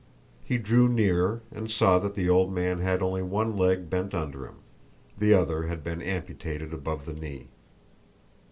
He drew nearer and saw that the old man had only one leg bent under him, the other had been amputated above the knee.